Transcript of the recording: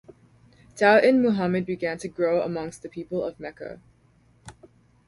Doubt in Muhammad began to grow amongst the people of Mecca.